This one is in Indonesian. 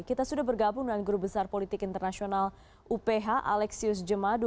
kita sudah bergabung dengan guru besar politik internasional uph alexius jemadu